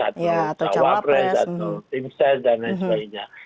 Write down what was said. atau jawabres atau timsel dan lain sebagainya